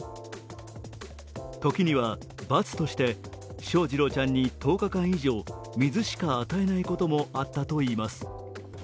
時には、罰として翔士郎ちゃんに１０日間以上水しか与えないこともあったといいます。